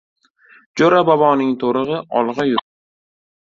Jo‘ra boboning to‘rig‘i olg‘a yurdi.